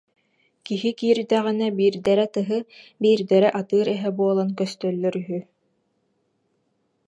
Киһи киирдэҕинэ биирдэрэ тыһы, биирдэрэ атыыр эһэ буолан көстөллөр үһү